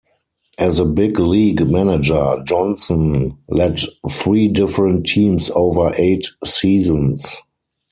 As a big-league manager, Johnson led three different teams over eight seasons.